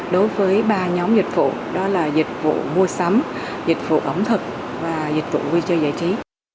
đối với ba nhóm dịch vụ đó là dịch vụ mua sắm dịch vụ ẩm thực và dịch vụ vui chơi giải trí